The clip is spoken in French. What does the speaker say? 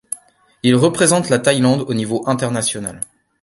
Il représente la Thaïlande au niveau international.